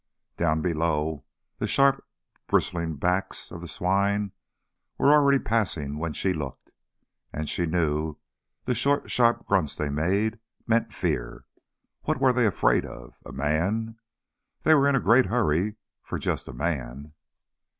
Down below the sharp bristling backs of the swine were already passing when she looked. And she knew the short, sharp grunts they made meant fear. What were they afraid of? A man? They were in a great hurry for just a man.